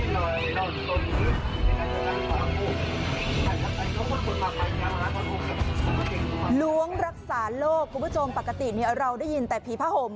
รักษาโรคคุณผู้ชมปกติเราได้ยินแต่ผีผ้าห่ม